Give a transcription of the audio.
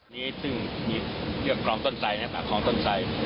นี่ซึ่งมีเกือบกรองต้นใสนะฮะกรองต้นใส